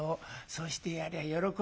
そうしてやりゃあ喜ぶよ。